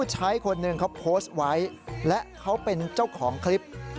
ใช้คนหนึ่งเขาโพสต์ไว้และเขาเป็นเจ้าของคลิป